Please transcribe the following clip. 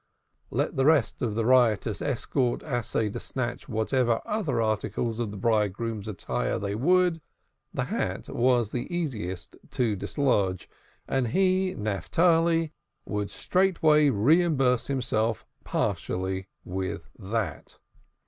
Let the rest of the riotous escort essay to snatch whatever other article of the bridegroom's attire they would, the hat was the easiest to dislodge, and he, Naphtali, would straightway reimburse himself partially with that.